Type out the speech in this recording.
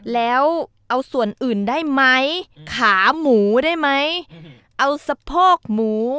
แล้วเอาส่วนอื่นได้ไหมขาหมูได้ไหมเอาสะโพกหมู